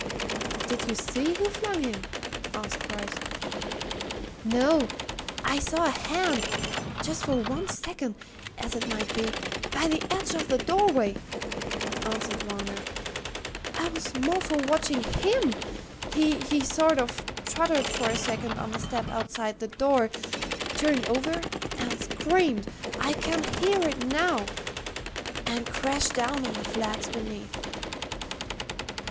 "Did you see who flung him?" asked Bryce. "No; I saw a hand just for one second, as it might be by the edge of the doorway," answered Varner. "I was more for watching him! He sort of tottered for a second on the step outside the door, turned over and screamed I can hear it now! and crashed down on the flags beneath."